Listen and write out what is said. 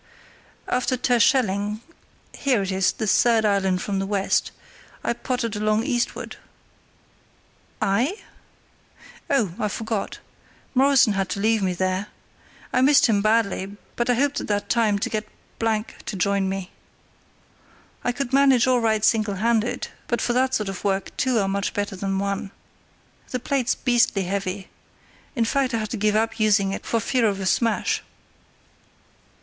"After Terschelling—here it is, the third island from the west—I pottered along eastward." [See Map A] "I?" "Oh! I forgot. Morrison had to leave me there. I missed him badly, but I hoped at that time to get —— to join me. I could manage all right single handed, but for that sort of work two are much better than one. The plate's beastly heavy; in fact, I had to give up using it for fear of a smash."